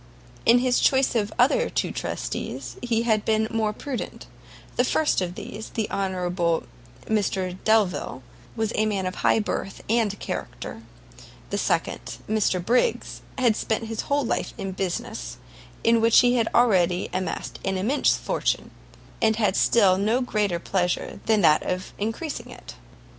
In his choice of the other two trustees he had been more prudent; the first of these, the honourable Mr Delvile, was a man of high birth and character; the second, Mr Briggs, had spent his whole life in business, in which he had already amassed an immense fortune, and had still no greater pleasure than that of encreasing it.